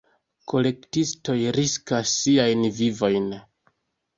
Kolektistoj riskas siajn vivojn.